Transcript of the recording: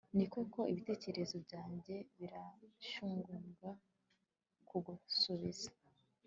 ni koko, ibitekerezo byanjye birashyugumbwa kugusubiza